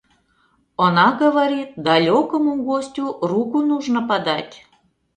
Она говорит, далекому гостю руку нужно подать.